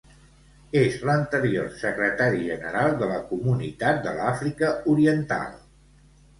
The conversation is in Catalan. És l'anterior Secretari General de la Comunitat de l'Àfrica Oriental.